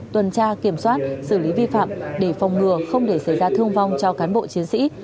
tuần tra kiểm soát xử lý vi phạm để phòng ngừa không để xảy ra thương vong cho cán bộ chiến sĩ